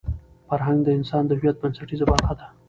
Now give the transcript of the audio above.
فرهنګ د انسان د هویت بنسټیزه برخه ده.